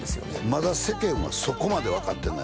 まだ世間はそこまで分かってない